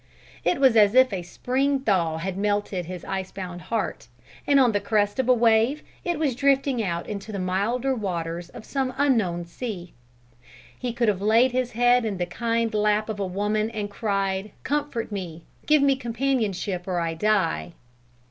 It was as if a spring thaw had melted his ice bound heart, and on the crest of a wave it was drifting out into the milder waters of some unknown sea. He could have laid his head in the kind lap of a woman and cried: "Comfort me! Give me companionship or I die!"